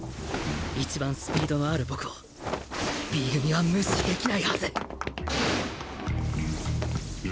一番スピードのある僕を Ｂ 組は無視できないハズ